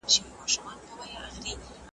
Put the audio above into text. له هغې ورځي نن شل کاله تیریږي `